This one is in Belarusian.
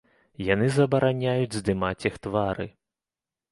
Яны забараняюць здымаць іх твары.